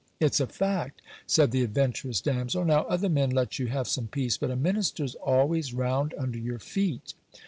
'It's a fact,' said the adventurous damsel; 'now other men let you have some peace, but a minister's always round under your feet.